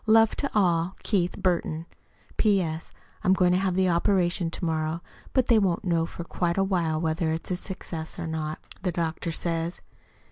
Love to all. KEITH BURTON P.S. I'm going to have the operation to morrow, but they won't know for quite a while whether it's successful or not, the doctor says.